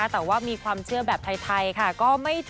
แต่ว่ามีความเชื่อแบบไทยก็ไม่ผิดไม่ถูก